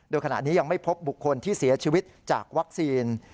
โดยขณะนี้ยังไม่พบบุคคลที่เสียชีวิตจากวัคซีน